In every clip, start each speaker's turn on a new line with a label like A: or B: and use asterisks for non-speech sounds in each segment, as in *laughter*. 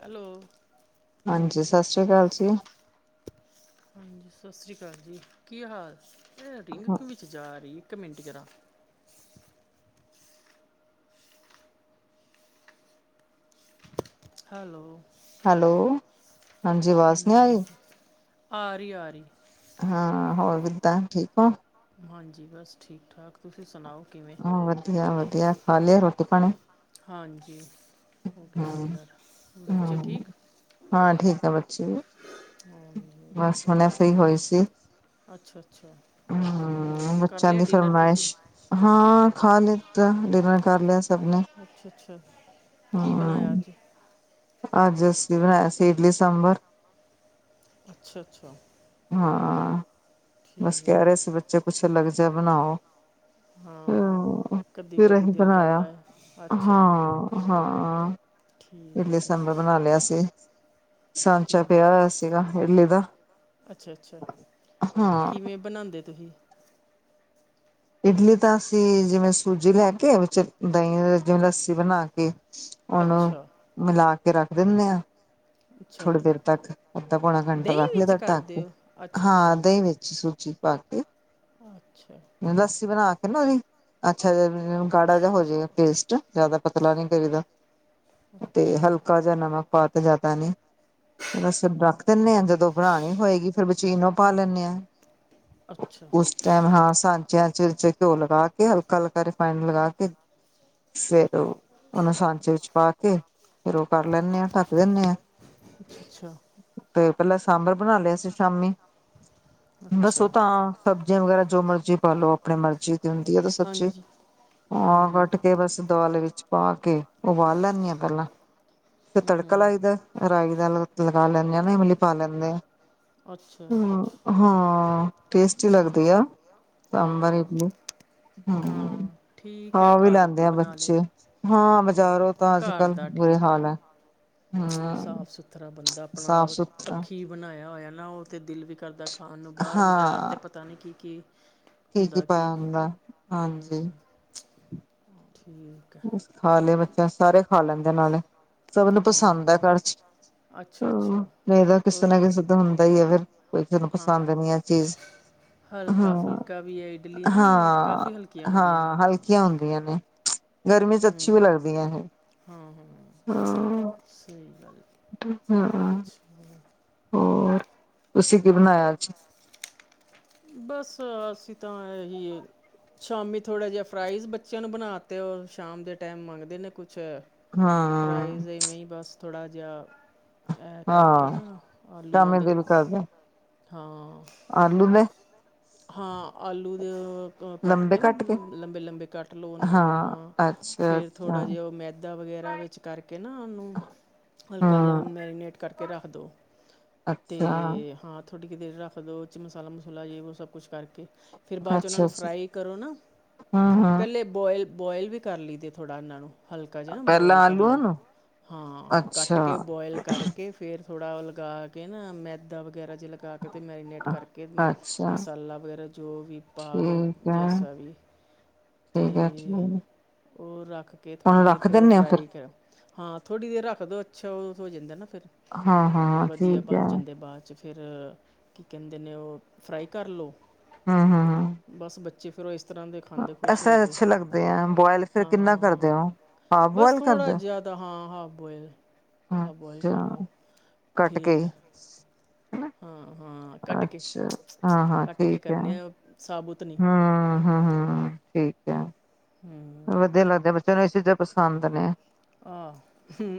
A: Hello!
B: ਹਾਂਜੀ, ਸਸ਼੍ਰੀ ਕਾਲ ਜੀ।
A: ਹਾਂਜੀ ਸਸ਼੍ਰੀ ਕਾਲ ਜੀ, ਕੀ ਹਾਲ? ਐ ਰਿੰਗ ਕੁ ਵਿੱਚ ਜਾ ਰੀ ਇੱਕ ਮਿੰਟ ਜਰ੍ਹਾਂ। ਹੈਲੋ!
B: ਹੈਲੋ! ਹਾਂਜੀ ਆਵਾਜ਼ ਨੀ ਆ ਰਹੀ
A: ਹਾਂਜੀ-ਹਾਂਜੀ, ਆ ਰੀ- ਆ ਰੀ।
B: ਹਾਂ, ਹੋਰ ਕਿਦਾਂ, ਠੀਕ ਓ?
A: ਹਾਂਜੀ ਬਸ ਠੀਕ- ਠਾਕ, ਤੁਸੀਂ ਸੁਣਾਓ ਕਿਵੇਂ?
B: ਵਧੀਆ-ਵਧੀਆ, ਖਾ ਲਿਆ ਰੋਟੀ ਪਾਣੀ?
A: ਹਾਂਜੀ, ਹੋ ਗਿਆ
B: ਹਮ
A: ਡਿਨਰ, ਬੱਚੇ
B: ਹਮ
A: ਠੀਕ?
B: ਹਾਂ ਠੀਕ ਆ ਬੱਚੇ ਵੀ।
A: ਹਾਂਜੀ
B: ਬਸ ਹੁਨੇ
A: ਅੱਛਾ
B: ਫ੍ਰੀ ਹੋਈ ਸੀ
A: ਅੱਛਾ ਅੱਛਾ
B: ਹਾਂਜੀ,
A: ਹੋਰ
B: ਹੂੰ
A: ਕਰ
B: ਬੱਚਿਆਂ
A: ਲਿਆ
B: ਦੀ
A: ਡਿਨਰ ਤੁਸੀਂ
B: ਫਰਮਾਇਸ਼। ਹਾਂ ਖਾ ਲਿਤਾ ਡਿਨਰ ਕਰ ਲਿਆ ਸਭ ਨੇ
A: ਅੱਛਾ-ਅੱਛਾ, ਕੀ ਬਨਾਇਆ
B: ਹਮ
A: ਅੱਜ
B: ਅੱਜ ਅਸੀ ਬਨਾਇਆ ਸੀ ਇਡਲੀ ਸਾਂਬਰ।
A: ਅੱਛਾ-ਅੱਛਾ
B: ਹਾਂ ਬਸ ਕਹਿ
A: ਠੀਕ
B: ਰਹੇ ਸੀ ਬੱਚੇ ਕੁਛ ਅਲੱਗ ਜਾ ਬਨਾਓ।
A: ਹਾਂ
B: ਹ
A: ਕਦੀ
B: ਫਿਰ
A: ਕਦੀ
B: ਅਸੀਂ
A: ਦਿਲ
B: ਬਨਾਇਆ
A: ਕਰਦਾ ਹੈ ਅੱਛਾ
B: ਹਾਂ-ਹਾਂ ਇਡਲੀ
A: ਠੀਕ ਹੈ
B: ਸਾਂਬਰ ਬਨਾ ਲਿਆ ਸੀ ਸਾਂਚਾ
A: ਠੀਕ
B: ਪਿਆ ਹੋਇਆ ਸੀਗਾ ਇਡਲੀ ਦਾ
A: ਅੱਛਾ-ਅੱਛਾ
B: ਹਾਂ
A: ਕਿਵੇਂ ਬਨਾੰਦੇ ਤੁਹੀ
B: ਇਡਲੀ ਤਾਂ ਅਸੀਂ ਜਿਵੇਂ ਸੂਜੀ ਲੈ ਕੇ ਵਿੱਚ ਦਹੀਂ ਜਿਵੇਂ ਲੱਸੀ ਬਨਾ ਕੇ ਉਹਨੂੰ
A: ਅੱਛਾ
B: ਮਿਲਾ ਕੇ ਰੱਖ ਦਿਨੇ ਆ
A: ਅੱਛਾ
B: ਥੋੜੀ
A: ਜੀ
B: ਦੇਰ ਤੱਕ ਅੱਧਾ ਪੌਣਾ ਘੰਟਾ
A: ਦਹੀਂ
B: ਰੱਖ
A: ਵਿੱਚ
B: ਲਈਦਾ ਢੱਕ
A: ਕਰਦੇ
B: ਕੇ।
A: ਹੋ ਅੱਛਾ ਅੱਛਾ
B: ਹਾਂ ਦਹੀਂ ਵਿੱਚ ਸੂਜੀ ਪਾ ਕੇ।
A: ਅੱਛਾ
B: ਲੱਸੀ ਬਨਾ ਕੇ ਨਾ ਉਹਦੀ ਅੱਛਾ ਜਦੋਂ ਗਾੜਾ ਜਿਹਾ ਹੋ ਜੇ ਪੇਸਟ ਜਿਆਦਾ ਪਤਲਾ ਨੀ ਕਰੀਦਾ ਤੇ ਹਲਕਾ ਜਿਹਾ ਨਮਕ ਪਾਕੇ ਜਿਆਦਾ ਨੀ, ਬਸ ਫਿਰ ਰੱਖ ਦਿੰਨੇ ਆੰ ਜਦੋਂ ਬਨਾਨੀ ਹੋਏਗੀ ਫਿਰ ਮਸ਼ੀਨ ਔ ਪਾ ਲੈਂਨੇ ਆ
A: ਅੱਛਾ
B: ਟਾਈਮ ਹਾਂ ਸਾਂਚਿਆਂ ਚ ਘਿਓ ਲਗਾ ਕੇ ਹਲਕਾ-ਹਲਕਾ ਰਿਫਾਈਨ ਲਗਾ ਕੇ ਫੇਰ ਉਹ ਉਹਨੂੰ ਸਾਂਚੇ ਵਿੱਚ ਪਾ ਕੇ, ਫੇਰ ਉਹ ਕਰ ਲੈਂਨੇ ਆ ਢੱਕ ਦਿੰਨੇ ਆ।
A: ਅ ਅੱਛਾ
B: ਤੇ ਪਹਿਲਾਂ ਸਾਂਬਰ ਬਨਾ ਲੇਆ ਸੀਂ ਸ਼ਾਮੀ,
A: ਅੱਛਾ
B: ਦੱਸੋ ਤਾਂ ਸਬਜ਼ੀਆਂ ਵਗੈਰਾ ਜੋ ਮਰਜ਼ੀ ਪਾਲੋ ਅਪਨੀ ਮਰਜ਼ੀ ਹੁੰਦੀ ਆ ਤਾਂ ਸਬਜ਼ੀ
A: ਹਾਂਜੀ
B: ਆ
A: ਹਾਂਜੀ
B: ਕੱਟ ਕੇ ਬਸ ਦਾਲ ਵਿੱਚ ਪਾ ਕੇ ਉਬਾਲ ਲੈਂਨੀ ਆ ਪਹਿਲਾਂ ਫਿਰ ਤੜਕਾ ਲਾਈਦਾ। ਰਾਈ ਦਾ ਲਗਾ ਲੈਂਨੇ ਆ ਨਾ ਇਮਲੀ ਪਾ ਲੈਂਨੇ
A: ਅੱਛਾ
B: ਆ ਹਾਂ ਟੇਸਟੀ ਲੱਗਦੀ ਆ ਸਾਂਬਰ
A: ਹਾਂ
B: ਇਡਲੀ
A: ਹਾਂ
B: ਹਮ
A: ਠੀਕ ਹੈ
B: ਖਾ ਵੀ
A: ਘਰ
B: ਲੈਂਦੇ ਆ
A: ਬਣਾ ਲਏ
B: ਬੱਚੇ ਹਾਂ ਬਾਜ਼ਾਰੋ ਤਾਂ ਅੱਜ
A: ਘਰ
B: ਕੱਲ
A: ਦਾ
B: ਬੁਰੇ
A: ਠੀਕ ਹੈ
B: ਹਾਲ ਐ
A: ਸਾਫ ਸੁਥਰਾ ਬੰਦਾ ਅਪਨਾ
B: ਸੁਥਰਾ
A: ਅੱਖੀਂ ਬਨਾਇਆ ਹੋਇਆ ਨਾ ਉਹ ਤੇ ਦਿਲ ਵੀ ਕਰਦਾ। ਓਨੂ ਬਾਹਰ ਬਾਜ਼ਾਰ
B: ਹਾਂ
A: ਚ ਪਤਾ ਨੀ ਕੀ-ਕੀ ਹੁੰਦਾ ਕੀ
B: ਪਾਇਆ ਹੁੰਦਾ
A: ਨਹੀਂ
B: ਹਾਂਜੀ
A: ਠੀਕ ਹੈ
B: ਬਸ ਖਾ ਲੈ ਬੱਚਾ ਸਾਰੇ ਖਾ ਲੈਂਦੇ ਨਾਲੇ ਸਭ ਨੂੰ
A: ਹਾਂ
B: ਪਸੰਦ ਆ ਘਰ 'ਚ
A: ਅੱਛਾ
B: ਹਮ
A: ਅੱਛਾ
B: ਫਾਇਦਾ ਤਾਂ ਕਿਸੇ
A: ਔਰ
B: ਨਾ ਕਿਸੇ ਤੋਂ ਹੁੰਦਾ ਈ ਹੈ ਫਿਰ ਕੋਈ ਤੈਨੂੰ
A: ਹਾਂ
B: ਪਸੰਦ ਨਹੀਂ ਆ ਚੀਜ਼।
A: ਹਲਕਾ
B: ਹਾਂ,
A: ਫੁਲਕਾ ਵੀ ਹੈ ਇਡਲੀ ਨਾ
B: ਹਾਂ,
A: ਕਾਫੀ ਹਲਕੀਆਂ ਹੁੰਦੀਆਂ ਨੇ
B: ਹਾਂ ਹਲਕੀਆਂ ਹੁੰਦੀਆਂ ਨੇ ਗਰਮੀ ਚ ਅੱਛੀ
A: ਹਮ
B: ਵੀ ਲੱਗਦੀਆਂ ਇਹ
A: ਹਾਂ ਹਮ ਸਹੀ ਗੱਲ
B: ਹਾ
A: *unintelligible*
B: ਹੋਰ ਤੁਸੀ ਕੀ ਬਨਾਇਆ ਅੱਜ
A: ਬਸ ਅਸੀਂ ਤਾਂ ਇਹ ਹੀ ਏ ਸ਼ਾਮੀ ਥੋੜਾ ਜਿਹਾ ਫਰਾਇਜ ਬੱਚਿਆਂ ਨੂੰ ਬਨਾ ਤੇ ਉਹ ਸ਼ਾਮ ਦੇ ਟਾਈਮ ਮੰਗਦੇ ਨੇ ਕੁਛ
B: ਹਾਂ
A: ਫਰਾਈਜ ਇਵੇਂ ਹੀ ਬਸ ਥੋੜ੍ਹਾ ਜਿਹਾ ਇਹ ਕਰਕੇ
B: ਹਾਂ
A: ਨਾ ਆਲੂਆਂ
B: ਸ਼ਾਮੀ
A: ਦੇ
B: ਦਿਲ ਕਰਦਾ
A: ਹਾਂ
B: ਆਲੂ ਦੇ
A: ਹਾਂ ਆਲੂ ਦੇ ਕੱਟ ਕੇ ਨਾ ਲੰਬੇ-ਲੰਬੇ ਕੱਟ ਲਉ ਉਹਨਾਂ ਨੂੰ ਹਾਂ
B: ਅੱਛਾ
A: ਫੇਰ
B: ਅੱਛਾ
A: ਥੋੜ੍ਹਾ ਜਿਹਾ ਉਹ ਮੈਦਾ ਵਗੈਰਾ ਵਿੱਚ ਕਰਕੇ ਨਾ ਉਹਨੂੰ, ਹਲਕਾ ਜਿਹਾ
B: ਹਾਂ
A: ਮੈਰੀਨੇਟ ਕਰਕੇ ਰੱਖ ਦਿਉ।
B: ਅੱਛਾ
A: ਤੇ, ਹਾਂ ਥੋੜ੍ਹੀ ਕੀ ਦੇਰ ਰੱਖ ਦੋ ਓਹਦੇ 'ਚ ਮਸਾਲਾ ਮਸੂਲਾ ਜੇ ਸਭ ਕੁਛ ਕਰਕੇ ਫਿਰ ਬਾਦ 'ਚ ਉਹਨਾਂ
B: ਅੱਛਾ
A: ਨੂੰ
B: ਅੱਛਾ
A: ਫਰਾਈ ਕਰੋ ਨਾ,
B: ਹਮ ਹਮ
A: ਪਹਿਲੇ ਬੋਇਲ, ਬੋਇਲ ਵੀ ਕਰ ਲਈਦੇ ਥੋੜ੍ਹਾ ਇਹਨਾਂ ਨੂੰ ਹਲਕਾ ਜਿਹਾ ਨਾ
B: ਪਹਿਲਾਂ
A: ਬੋਇਲ ਕਰ
B: ਆਲੂਆਂ
A: ਲਉ,
B: ਨੂੰ
A: ਹਾਂ ਕੱਟ
B: ਅੱਛਾ
A: ਕੇ ਬੋਇਲ ਕਰ ਕੇ, ਫਿਰ ਥੋੜ੍ਹਾ ਉਹ ਲਗਾ ਕੇ ਨਾ ਮੈਦਾ ਵਗੈਰਾ ਜੇ ਲਗਾ ਕੇ ਅਤੇ ਮੈਰੀਨੇਟ ਕਰਕੇ
B: ਅੱਛਾ
A: ਮਸਾਲਾ ਵਗੈਰਾ ਜੋ ਵੀ ਪਾ ਲਓ,
B: ਠੀਕ ਹੈ
A: ਜੈਸਾ ਵੀ
B: ਠੀਕ ਹੈ *inaudible*
A: ਕੋਲ ਰੱਖ ਕੇ ਥੋੜ੍ਹੀ
B: ਹੁਣ
A: ਦੇਰ,
B: ਰੱਖ
A: ਫਿਰ ਉਹ
B: ਦਿੰਦੇ ਆ
A: ਫਰਾਈ ਕਰੋ ਹਾਂ ਥੋੜ੍ਹੀ ਦੇਰ ਰੱਖ ਦਿਉ ਅੱਛਾ ਉਹ ਹੋ ਜਾਂਦਾ ਨਾ ਫਿਰ,
B: ਹਾਂ ਹਾਂ
A: ਵਧੀਆ
B: ਠੀਕ
A: ਬਣ
B: ਹੈ
A: ਜਾਂਦੇ ਬਾਦ 'ਚ ਤੇ ਫਿਰ ਕੀ ਕਹਿੰਦੇ ਨੇ, ਉਹ ਫਰਾਈ ਕਰ ਲਉ
B: ਹਾਂ ਹਾਂ
A: ਬਸ ਬੱਚੇ ਫਿਰ ਉਹ ਇਸ ਇਸ ਤਰ੍ਹਾਂ ਦੇ ਖਾਂਦੇ ਖੁਸ਼
B: ਐਸੇ
A: ਹੋ ਕੇ,
B: ਅੱਛੇ ਲੱਗਦੇ ਆ ਬੋਆਇਲ ਫਿਰ ਕਿੰਨਾ
A: ਹਾਂ-
B: ਕਰਦੇ
A: ਹਾਂ
B: ਹੋ ਹਾਫ
A: ਬਸ
B: ਬੋਆਇਲ
A: ਥੋੜਾ
B: ਕਰਦੇ
A: ਜੇਆ ਤਾਂ ਹਾਂ ਹਾਫ ਬੋਆਇਲ
B: ਹੋ
A: ਹਾਫ ਬੋਆਇਲ ਕਰ ਲਓ,
B: ਅੱਛਾ ਕੱਟ ਕੇ
A: ਫੇਰ
B: ਹੀ
A: ਹਾਂ- ਹਾਂ ਕੱਟ ਕੇ,
B: ਅੱਛਾ ਹਾਂ ਹਾਂ
A: ਕੱਟ ਕੇ
B: ਠੀਕ ਹੈ
A: ਕਰਨੇ ਆ ਸਾਬੁਤ ਨਹੀਂ
B: ਹਮ ਹਮ ਹਮ ਠੀਕ ਹੈ
A: ਹੂੰ
B: ਵਧੀਆ ਲੱਗਦੇ ਬੱਚਿਆਂ ਨੂੰ ਇਹ ਚੀਜ਼ਾਂ ਪਸੰਦ ਨੇ।
A: ਆਹ,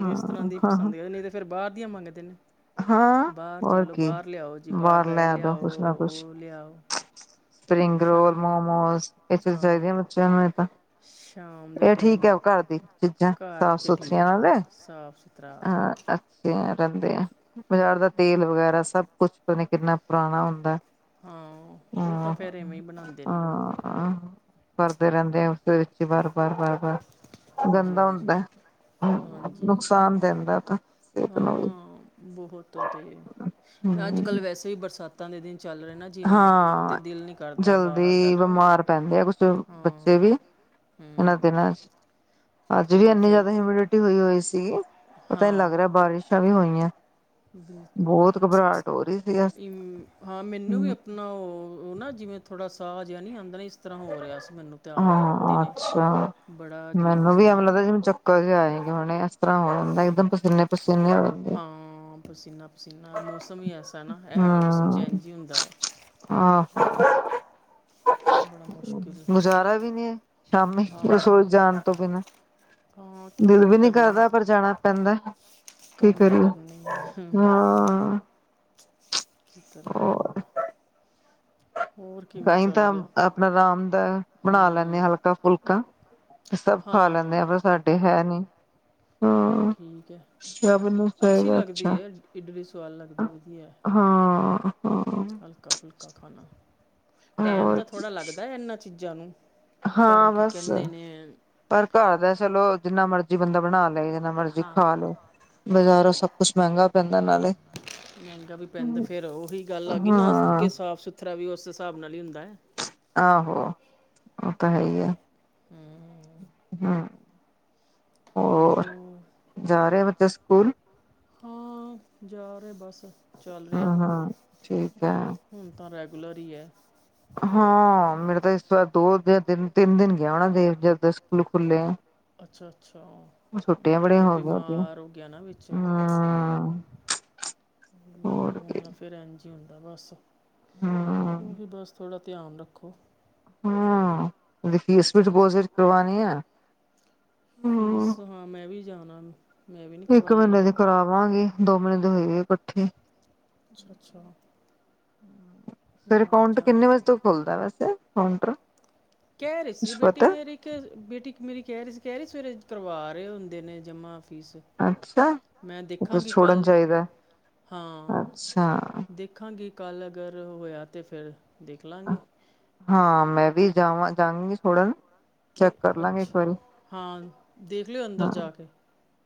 B: ਹਾਂ
A: ਇਸ ਤਰ੍ਹਾਂਹ ਦੀ
B: ਹਾਂ-ਹਾਂ।
A: ਪਸੰਦ ਨਹੀਂ ਤੇ ਫਿਰ ਬਾਹਰ ਦੀਆਂ ਮੰਗਦੇ ਨੇ।
B: ਹਾਂ
A: ਬਾਹਰ
B: ਹੋਰ
A: ਚਲੋ
B: ਕੀ
A: ਬਾਹਰ ਲਿਆਓ ਜੀ ਬਾਹਰ ਦਾ
B: ਲੈ
A: ਇਹ
B: ਆਦੋ
A: ਲਿਆਓ,
B: ਕੁਛ ਨਾ ਕੁਛ।
A: ਉਹ ਲਿਆਓ।
B: ਸਪਰਿੰਗ ਰੋਲ,
A: ਸ਼ਾਮ
B: ਮੋਮੋਸ ਇਹ ਚੀਜ਼
A: ਹਾਂ
B: ਚਾਹੀਦੀਆਂ ਬੱਚਿਆਂ ਨੂੰ ਹੁਣੇ ਤਾਂ
A: ਸ਼ਾਮ ਦੇ
B: ਇਹ ਠੀਕ
A: ਟਾਈਮ
B: ਹੈ ਘਰ ਦੀ ਚੀਜ਼ਾਂ,
A: ਘਰ
B: ਸਾਫ
A: 'ਚ
B: ਸੁਥਰੀਆਂ
A: ਠੀਕ
B: ਨਾਲੇ
A: ਸਾਫ ਸੁਥਰਾ
B: ਹਾਂ ਅੱਛੀਆ ਰਹਿੰਦੇ ਆ ਬਜਾਰ ਦਾ ਤੇਲ ਵਗੈਰਾ ਸਭ ਕੁਛ ਪਤਾ ਨੀ ਕਿੰਨਾ ਪੁਰਾਣਾ ਹੁੰਦਾ।
A: ਹਾਂ ਉਹ ਤਾਂ
B: ਹਾਂ-ਹਾਂ।
A: ਫੇਰ ਇਵੇਂ ਹੀ ਬਣਾਂਦੇ ਨੇ।
B: ਭਰਦੇ ਰਹਿੰਦੇ ਆ ਉਸਦੇ ਵਿੱਚ ਵਾਰ- ਵਾਰ, ਵਾਰ- ਵਾਰ
A: ਹਾਂਜੀ ਹਾਂਜੀ ਹਾਂਜੀ
B: ਨੁਕਸਾਨ ਦਿੰਦਾ ਤਾਂ ਸਿਹਤ ਨੂੰ ਵੀ
A: ਹਾਂ ਬਹੁਤ ਔ ਤੇ, ਅੱਜ
B: ਹੂੰ।
A: ਕੱਲ੍ਹ ਵੈਸ ਵੈੇਸੇ ਵੀ ਬਰਸਾਤਾਂ ਦੇ ਦਿਨ ਚੱਲ ਰਹੇ ਨਾ। ਜਿਵੇਂ ਤੇ
B: ਹਾਂ
A: ਦਿਲ ਨਹੀਂ ਕਰਦਾ ਬਾਹਰ ਦਾ
B: ਜਲਦੀ
A: ਨਾ
B: ਬਿਮਾਰ ਪੈਂਦੇ ਆ ਕੁਛ
A: ਹਾਂ
B: ਬੱਚੇ ਵੀ। ਇਨਾਂ
A: ਹੂੰ
B: ਦਿਨਾ 'ਚ ਅੱਜ ਵੀ
A: ਥੋੜ੍ਹਾ
B: ਇੰਨੀ
A: ਫਿਰ
B: ਜ਼ਿਆਦਾ ਹਿਮਿਡਿਟੀ ਹੋਈ ਹੋਈ ਸੀ, ਪਤਾ ਨੀ ਲੱਗ
A: ਹਾਂ
B: ਰਿਹਾ ਬਾਰਿਸ਼ਾਂ ਵੀ ਹੋਈਆਂ।
A: ਬਿਲਕੁਲ
B: ਬਹੁਤ ਘਬਰਾਹਟ ਹੋ ਰਹੀ ਸੀ
A: *unintelligible* ਹਾਂ ਮੈਨੂੰ ਵੀ ਆਪਣਾ ਉਹ ਨਾ ਜਿਵੇਂ ਥੋੜ੍ਹਾ ਸਾਹ ਜਿਹਾ ਨੀ ਆਉਂਦਾ ਨੀ ਇਸ ਇਸ ਤਰ੍ਹਾਂ ਹੋ ਰਿਹਾ ਸੀ ਮੈਨੂੰ ਤੇ ਆਪ
B: ਹਾਂ
A: ਦਿਨੇ,
B: ਅੱਛਾ
A: ਬੜਾ ਅਜੀਬ ਜਿਹਾ ਨਾ
B: ਕਰ ਆਏਗੀ ਹੁਣ, ਇਸ ਤਰ੍ਹਾਂ ਹੋਣ ਹੁੰਦਾ ਇੱਕਦਮ ਪਸੀਨੇ- ਪਸੀਨੇ ਹੋ ਜਾਂਦੇ
A: ਹਾਂ ਪਸੀਨਾ- ਪਸੀਨਾ ਮੌਸਮ ਹੀ ਐਸਾ ਨਾ, ਇਹ ਮੌਸਮ ਚੇਂਜ ਹੀ ਹੁੰਦਾ ਐ।
B: ਹਾਂ
A: ਬੜਾ ਮੁਸ਼ਕਿਲ
B: ਗੁਜ਼ਾਰਾ ਵੀ ਨਹੀਂ ਸ਼ਾਮੀ,
A: ਹਾਂ
B: ਰਸੋਈ ਚ ਜਾਣ ਤੋਂ ਬਿਨਾਂ,
A: ਹਾਂ
B: ਦਿਲ
A: ਕੰਮ
B: ਵੀ
A: ਤਾਂ
B: ਨੀ
A: ਕਰਨੀ
B: ਕਰਦਾ ਪਰ ਜਾਣਾ ਪੈਂਦਾ ਕਿ
A: ਕੰਮ ਤਾਂ
B: ਕਰੀਏ,
A: ਕਰਨੀ
B: ਹਾਂ
A: ਕਿ ਕਰੇ ਬੰਦਾ ਹੋਰ ਕਿਵੇਂ
B: ਕਈ
A: ਚੱਲ
B: ਤਾਂ
A: ਰਿਹਾ
B: ਆਪਣਾ ਆਰਾਮ ਦਾ ਬਣਾ ਲੈਂਨੇ ਆਪਣਾ
A: ਹੂੰ
B: ਹਲਕਾ ਫੁ ਫੁਲਕਾ, ਤੇ ਸਭ ਖਾ ਲੈਂਦੇ
A: ਹਾਂ
B: ਆ ਪਰ ਸਾਡੇ ਹੈ ਨੀ,
A: ਇਹ
B: ਹਾਂ
A: ਠੀਕ ਐ
B: ਸਭ ਨੂੰ
A: ਅੱਛੀ
B: ਚਾਹੀਦਾ
A: ਲੱਗਦੀ
B: ਅੱਛਾ
A: ਐ ਇਡਲੀ ਸੁਆਦ ਲੱਗਦੀ ਵੱਧੀਆ
B: ਹਾਂ ਹਾਂ
A: ਹਲਕਾ ਫੁਲ ਕਾ ਖਾਣਾ ਟੈਮ
B: ਹੋਰ
A: ਤਾਂ ਥੋੜ੍ਹਾ ਲੱਗਦਾ ਏਨਾਂ ਚੀਜ਼ਾਂ ਨੂੰ। ਪਰ
B: ਹਾਂ
A: ਕੀ
B: ਬਸ
A: ਕੇਂਦੇ ਨੇ
B: ਪਰ ਘਾਰ ਦਾ ਚਲੋ ਜਿੰਨਾ ਮਰਜੀ ਬੰਦਾ ਬਣਾ ਲਏ ਜਿੰਨਾ ਮਰਜੀ ਖਾ
A: ਹਾਂ
B: ਲਓ, ਬਜ਼ਾਰੋਂ ਸਭ ਕੁਛ ਮੇਂਗਾ ਪੈਂਦਾ ਨਾਲੇ
A: ਮੇਂਗਾ ਵੀ ਪੈਂਦਾ ਫਿਰ ਉਹੀ ਗੱਲ ਆ ਗਈ ਨਾ
B: ਹਾਂ
A: ਕਿ ਸਾਫ਼ ਸੁਥਰਾ ਵੀ ਉਸ ਹਿਸਾਬ ਨਾਲ ਹੀ ਹੁੰਦਾ।
B: ਆਹੋ ਓ ਤਾਂ ਹੈ ਈ ਆ।
A: ਹੂੰ
B: ਹਕਹਾ, ਹੋਰ
A: ਹਾਂ
B: ਜਾ ਰਏ ਬੱਚੇ ਸਕੂਲ?
A: ਹਾਂ ਜਾ ਰਏ ਬਸ ਚੱਲ ਰੇਆ।
B: ਹਾਂ ਹਾਂ ਠੀਕ ਹੈ
A: ਹੁਣ ਤਾਂ ਰੈਗੂਲਰ ਈ ਐ।
B: ਹਾਂ ਮੇਰਾ ਤਾਂ ਇਸ ਵਾਰ ਦੋ ਜਾਂ ਤਿੰਨ-ਤਿੰਨ ਗੇਆ ਹੁਨਾ ਜੇ ਜਦ ਦੇ ਸਕੂਲ ਖੁੱਲੇ ਆ।
A: ਅੱਛਾ ਅੱਛਾ
B: ਓਨੂੰ ਛੁੱਟਿਆ
A: ਹਾਂ,
B: ਬੜਿਆ
A: ਉਹ
B: ਹੋ ਗਿਆ ਸੀ
A: ਬਿਮਾਰ ਹੋ ਗਿਆ ਨਾ ਵਿੱਚ
B: ਹਾ ਚਚ
A: ਬਿਮਾਰ ਹੋਇਆ ਸੀ। ਫਿਰ ਐਨਜ ਹੁੰਦਾ ਬਸ, ਓ
B: ਹੂੰ
A: ਵੀ ਬਸ ਥੋੜ੍ਹਾ ਧਿਆਨ ਰੱਖੋ।
B: ਹਾਂ ਓਦੀ ਫੀਸ ਵੀ ਡਿਪੋਜਿਟ ਕਰਵਾਨੀ ਐ।
A: ਫੀਸ ਹਾਂ ਮੈਂ ਵੀ ਜਾਣਾ ਵਾ।
B: ਇੱਕ ਮੀਨੇ ਦੀ ਕਰਾਵਾਂਗੇ, ਦੋ ਮੀਨੇ ਦੀ ਹੋਈ-ਹੋਈ ਇਕੱਠੀ।
A: ਅੱਛਾ- ਅੱਛਾ।
B: ਹੂੰ--ਫਿਰ
A: ਮੈਂ ਆਪ
B: ਅਕਾਊਂਟ ਕਿੰਨੇ
A: ਜਾਣਾ
B: ਵਜੇ ਤੋਂ ਖੁੱਲਦਾ ਵੈਸੇ ਅਕਾਊਂਟਰ
A: ਕੈ ਰਈ ਸੀ ਬੇਟੀ ਮੇਰੀ ਕੈ ਰਈ ਬੇਟੀ ਮੇਰੀ ਕੈ ਰਈ ਸੀ ਕੈ ਰਈ ਸਵੇਰੇ ਕਰਵਾ ਰਏ ਹੁੰਦੇ ਨੇ ਜਮਾਂ ਫੀਸ
B: ਅੱਛਾ
A: ਮੈਂ
B: ਇਹ ਤਾਂ
A: ਦੇਖਾਂਗੀ
B: ਛੋੜਨ
A: ਕੱਲ
B: ਚਾਹੀਦਾ
A: ਹਾਂ ਦੇਖ
B: ਅੱਛਾ
A: ਦੇਖਾਂਗੀ ਕੱਲ੍ਹ ਅਗਰ ਹੋਏਆ ਤਾਂ ਫਿਰ ਦੇਖ ਲਾਂਗੇ।
B: ਹਾਂ ਮੈਂ ਵੀ ਜਾਵਾਂ ਜਾਂਓਗੀ ਛੋੜਨ
A: ਕਿ
B: ਚੈੱਕ ਕਰ ਲਾਂਗੇ ਇੱਕ
A: ਅੱਛਾ,
B: ਵਾਰੀ
A: ਹਾਂ ਦੇਖ ਲੇ ਅੰਦਰ
B: ਹਾਂ
A: ਜਾ ਕੇ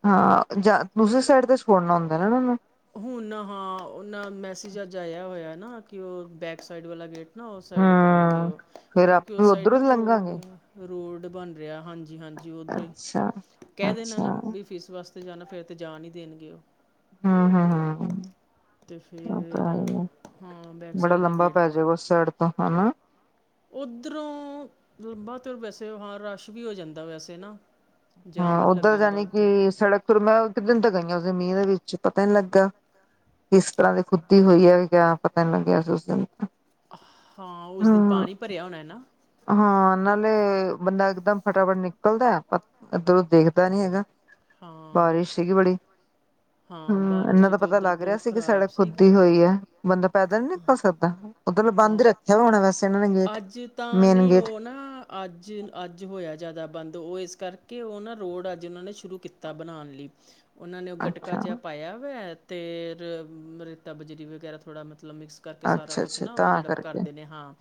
B: ਹਾਂ ਜਾਂ ਦੂਸਰੇ ਸਾਈਡ ਤੇ ਸ਼ੋੜਨਾ ਹੁੰਦਾ ਨਾ ਏਨਾ ਨੂੰ?
A: ਹੁਣ ਹਾਂ ਉਹਨਾਂ ਮੈਸੇਜ ਅੱਜ ਆਏਆ ਹੋਏਆ ਨਾ ਕਿ ਓ ਬੈਕ ਸਾਈਡ ਵਾਲਾ ਗੇਟ ਨਾ ਉਸ ਸਾਈਡ ਕਰਨਗੇ,
B: ਹੂੰ। ਫੇਰ
A: ਕਿਉਂਕਿ
B: ਆਪਾਂ
A: ਉਸ ਸਾਈਡ
B: ਉੱਧਰੋਂ
A: ਨਾ
B: ਦੀ
A: ਰੋਡ-
B: ਲੰਘਾਂਗੇ
A: ਰੋਡ ਬਣ ਰੇਆ ਹਾਂਜੀ ਹਾਂਜੀ ਓਧਰੋਂ ਈ,
B: ਅੱਛਾ।
A: ਕੈ ਦੇਣਾ
B: ਅੱਛਾ
A: ਨਾ ਵੀ ਫੀਸ ਵਾਸਤੇ ਜਾਣਾ ਫਿਰ ਤਾਂ ਜਾਣ ਹੀ ਦੇਣਗੇ ਓ
B: ਹਾਂ- ਹਾਂ- ਹਾਂ
A: ਅਤੇ
B: ਓ ਤਾਂ
A: ਫਿਰ
B: ਹੈ ਈ ਆ,
A: ਹਾਂ ਬੈਕ
B: ਬੜਾ
A: ਸਾਈਡ ਦੇ
B: ਲੰਬਾ
A: ਗੇਟ
B: ਪੈਜੂ ਉਸ ਸਾਈਡ ਤੋਂ ਹਨਾ?
A: ਉੱਧਰੋਂ ਲੰਬਾ ਤੇ ਵੈਸੇ ਹਾ ਰਸ਼ ਵੀ ਹੋ ਜਾਂਦਾ ਵੈਸੇ ਨਾ
B: ਹਾਂ
A: ਜਾਮ ਵੀ ਲੱਗ
B: ਓਧਰ
A: ਜਾਂਦਾ
B: ਜਾਣੀ
A: ਉੱਥੇ
B: ਕਿ ਸੜਕ ਮੈਂ ਇੱਕ ਦਿਨ ਤਾ ਗਈ ਆ ਉਸ ਦਿਨ ਮੀਂਹ ਦੇ ਵਿੱਚ ਪਤਾ ਨੀ ਲੱਗਾ। ਕਿਸ ਤਰ੍ਹਾਂ ਦੀ ਖੁੱਦੀ ਹੋਈ ਹੈ ਕਿਆ ਪਤਾ ਨ ਲੱਗਿਆ ਸੀ ਉਸ ਦਿਨ ਤਾਂ
A: ਹਾਂ ਉਸ ਦਿਨ ਪਾਣੀ ਭਰਿਆ ਹੋਣਾ ਨਾ?
B: ਹਾਂ ਨਾਲੇ ਬੰਦਾ ਇਕਦਮ ਫਟਾਫਟ ਨਿਕਲਦਾ ਪਰ ਇਧਰੋਂ ਦੇਖਦਾ ਨੀ ਹੈਗਾ।
A: ਹਾਂ
B: ਬਾਰਿਸ਼ ਸੀਗੀ ਬੜੀ? ਹੁ
A: ਹਾਂ ਬਾਰਿਸ਼
B: ਏਨਾਂ
A: 'ਚ
B: ਤਾਂ ਪਤਾ
A: ਉੱਧਰ
B: ਲੱਗ ਰੇਆ
A: ਬਹੁਤ
B: ਸੀ ਕਿ
A: ਖ਼ਰਾਬ
B: ਸੜਕ
A: ਸੀ
B: ਖੁੱਦੀ ਹੋਈ ਆ ਬੰਦਾ ਪੈਦਲ ਨੀ ਨਿਕਲ ਸਕਦਾ। ਉਧਰੋਂ ਬੰਦ ਰੱਖੇਆ ਹੋਣਾ ਵੈਸੇ ਏਨਾਂ ਨੇ ਗੇਟ?
A: ਜਿੰਦਾਂ
B: ਮੇਨ
A: ਨੀ
B: ਗੇਟ
A: ਓ ਨਾ ਅੱਜ- ਅੱਜ ਹੋਏਆ ਜ਼ਾਦਾ ਬੰਦ ਓ ਇਸ ਕਰਕੇ ਓ ਨਾ ਰੋਡ ਅੱਜ ਓਨਾਂ ਨੇ ਸ਼ੁਰੂ ਕੀਤਾ ਬਣਾਣ ਲਈ। ਓਨਾਂ ਨੇ ਓ ਗਟਕਾ
B: ਅੱਛਾ
A: ਜੇਹਾ ਪਾਏਆ ਹੋਏਆ ਤੇ ਰ ਰੇਤਾ ਬਜਰੀ ਵਗੈਰਾ ਥੋੜ੍ਹਾ ਮਤਲਬ ਮਿਕਸ ਕਰਕੇ ਸਾਰਾ
B: ਅੱਛਾ
A: ਕੁਛ
B: ਅੱਛਾ
A: ਨਾ ਓ
B: ਤਾਂ
A: ਜੇੜਾ
B: ਕਰਕੇ
A: ਕਰਦੇ ਨੇ ਹਾਂ,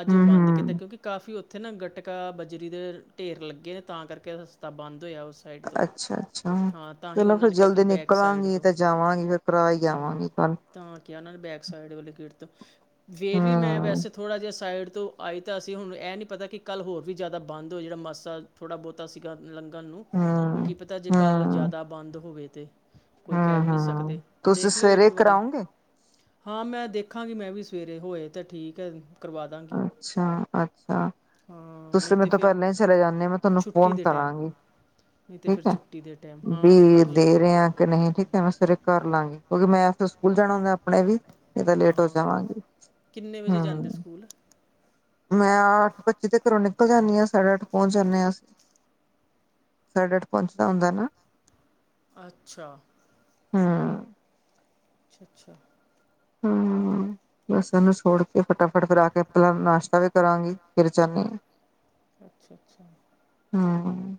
A: ਅੱਜ ਓ
B: ਹੂੰ
A: ਬੰਦ ਕਿਤਾ
B: ਹੂੰ
A: ਕਿਉਂਕਿ ਕਾਫੀ ਉਥੇ ਨਾ ਗਟਕਾ, ਬਜਰੀ ਦੇ ਢੇਰ ਲੱਗੇ ਨੇ, ਤਾਂ ਕਾਰਕੇ ਰਸਤਾ ਬਾੰਦ ਹੋਏਆ ਉਸ ਸਾਈਡ ਤੋਂ
B: ਅੱਛਾ-ਅੱਛਾ,
A: ਹਾਂ ਤਾਂ ਹੀ
B: ਚਲੋ
A: ਉਹਨਾਂ
B: ਫਿਰ
A: ਨੇ ਕਿਹਾ ਕਿ
B: ਜਲਦੀ ਨਿਕ
A: ਬੈਕ ਸਾਈਡ
B: ਕਰਾਂਗੀ,
A: ਤੋਂ
B: ਤੇ ਜਾਵਾਂਗੀ ਫੇਰ ਕਰਾ ਈ
A: ਹਾਂ
B: ਆਵਾਂਗੀ ਤੂਆਨ
A: ਤਾਂ ਕੇਆ ਓਨਾਂ ਨੇ ਬੈਕ ਸਾਈਡ ਵਾਲੀ ਗੇਟ ਤੋਂ ਫੇਰ ਵੀ ਮੈਂ
B: ਹੂੰ
A: ਵੈਸੇ ਥੋੜਾ ਜੇਆ, ਸਾਈਡ ਤੋ ਆਈ ਤਾ ਸੀ ਹੁਣ ਐ ਨੀ ਪਤਾ ਕਿ ਕਾੱਲ ਹੋਰ ਵੀ ਜਾਦਾ ਬਾੰਦ ਹੋ ਜੇੜਾ ਮਸਾ ਥੋੜਾ-ਬੋਤਾ ਸੀਗਾ ਲੰਗੱਨ ਨੂੰ ਓ
B: ਹੂੰ
A: ਕੀ ਪਤਾ ਜੇ ਕਾੱਲ
B: ਹੂੰ
A: ਜਾਦਾ ਬਾੰਦ ਹੋਵੇ ਤੇ ਕੋਈ ਕੈਅ
B: ਹੂੰ
A: ਵੀ ਨੀ ਸਕਦੇ,
B: ਹੂੰ ਤੁਸੀਂ
A: ਦੇਖ ਲੇਓ ਏੱਕ
B: ਸਵੇਰੇ
A: ਵਾਰੀ
B: ਕਰਾਓਗੇ
A: ਹਾਂ ਮੈਂ ਦੇਖਾਂਗੀ ਮੈਂ ਵੀ ਸਵੇਰੇ ਹੋਏ ਤਾ ਠੀਕ ਐ
B: ਅੱਛਾ-ਅੱਛਾ।
A: ਹਾਂ
B: ਤੂਸੀ
A: ਨਹੀਂ ਤੇ
B: ਮੇਤੋਂ
A: ਫਿਰ
B: ਪੈਲਾਂ ਈ ਚਲੇ ਜਾਂਦੇ ਓ, ਮੈਂ ਤੂਆਨੂੰ
A: ਛੁੱਟੀ
B: ਫੋਨ
A: ਦੇ ਟਾਈਮ
B: ਕਰਾਂਗੀ।
A: ਨਹੀਂ ਤੇ ਫਿਰ
B: ਠੀਕ ਐ,
A: ਛੁੱਟੀ ਦੇ ਟਾਈਮ ਹਾਂ
B: ਬੀ
A: ਕਰ
B: ਦੇ
A: ਲੈਣਾ
B: ਰੇ ਆਂ ਕ ਨਹੀਂ ਠੀਕ ਐ, ਮੈਂ ਸਵੇਰੇ ਕਾਰ ਲਾਂਗੀ ਕਿਉਂਕਿ ਮੈਂ ਫਿਰ ਸਕੂਲ ਜਾਣਾ ਹੁੰਦੈ ਅਪਣੇ ਵੀ ਨੀ ਤਾ ਲੇਟ ਹੋ ਜਾਵਾਂਗੀ।
A: ਕਿੰਨ ਵਜੇ ਜਾਂਦੇ ਓ
B: ਹੂੰ
A: ਸੂਕੂਲ?
B: ਮੈਂ ਆੱਠ ਪੱਚੀ ਦੇ ਘਰੋਂ ਨਿਕਲ ਜਾਂਨੀ ਆਂ, ਸਾਡੇ ਆੱਠ ਪੋਂਚ ਜਾਂਨੇ ਆਂ ਅਸੀ ਸਾਡੇ ਆੱਠ ਪੋਂਚਦਾ ਹੁੰਦੈ ਨਾ।
A: ਅੱਛਾ।
B: ਹੂੰ।
A: ਅੱਛਾ।
B: ਹੂੰ, ਬੱਸ ਏਨੂੰ ਛੋੜ ਕੇ, ਫਟਾਫਟ ਫੇਰ ਆਕੇ ਅਪਲਾਂ ਨਾਸ਼ਤਾ ਵੀ ਕਰਾਂਗੀ, ਫਿਰ ਜਾਨੀ ਆ।
A: ਅੱਛ-ਅੱਛਾ।
B: ਹੂੰ।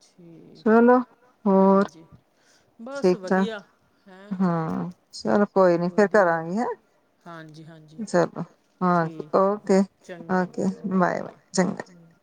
A: ਠੀਕ
B: ਚਲੋ
A: ਹੈ,
B: ਹੋਰ
A: ਹੂੰ ਜੀ, ਬਾੱਸ
B: ਠੀਕ ਠਾਕ
A: ਵਦੀਆ। ਹੈਂ,
B: ਹਾਂ ਚਲੋ ਕੋਈ ਨੀ ਫਿਰ
A: ਵਦੀਐ,
B: ਕਰਾਂਗੀ ਹੈਂ
A: ਹਾਂਜੀ-ਹਾਂ ਜੀ
B: ਚਲੋ ਹਾਂਜੀ
A: ਠੀਕ,
B: ਓਕੇ
A: ਚੰਗਾ ਜੀ,
B: ਓਕੇ ਬਾਏ
A: ਓਕੇ,
B: ਬਾਏ
A: ਚੰਗਾ।